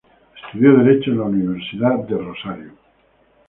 Estudió derecho en la Universidad del Rosario.